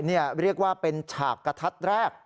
เรียกว่าเป็นฉากกระทัดแรก